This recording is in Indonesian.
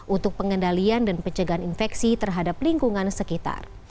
untuk pengendalian dan pencegahan infeksi terhadap lingkungan sekitar